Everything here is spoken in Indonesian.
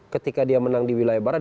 ketika dia menang di wilayah barat